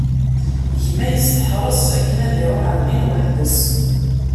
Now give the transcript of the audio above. Gma yesteḥres akken ad iruḥ ɣer din weḥd-s.